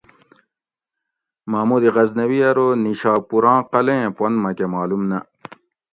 محمود غزنوی ارو نیشا پوراں قلعیں پُن مکہ معلوم نہ